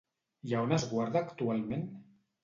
I a on es guarda actualment?